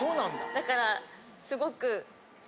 だからすごく。